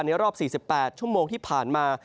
รอบ๔๘ชั่วโมงที่ผ่านมา